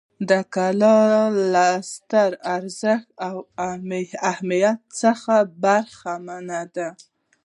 دا کلا له ستر ارزښت او اهمیت څخه برخمنه ده.